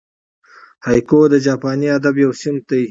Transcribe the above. هایکو د جاپاني ادب یو صنف دئ.